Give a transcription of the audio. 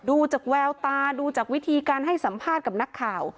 ดูจากแววตาดูจากวิธีการให้สัมภาษณ์กับนักข่าว